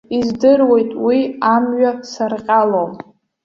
Издыруеит, уи амҩа сарҟьалом.